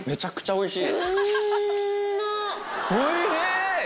おいしい！